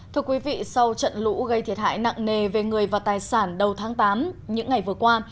thưa quý vị sau trận lũ gây thiệt hại nặng nề về người và tài sản đầu tháng tám những ngày vừa qua